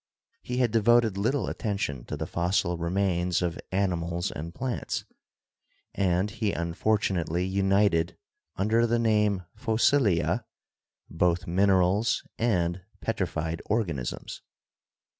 He had devoted little attention to the fossil remains of animals and plants, and he unfor tunately united under the name "Fossilia" both minerals and petrified organisms.